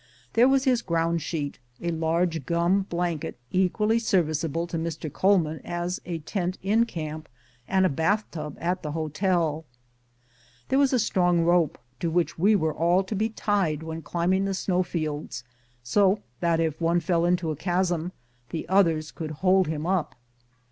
There was his ground sheet, a large gum blanket equally ser viceable to Mr. Coleman as a tent in camp and a bath tub at the hotel. There was a strong rope to which we were all to be tied when climbing the snow fields, so that if one fell into a chasm the others could hold him 98 FIRST SUCCESSFUL ASCENT, 1870 up.